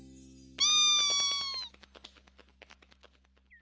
ピ！